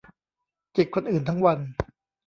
จิกคนอื่นทั้งวัน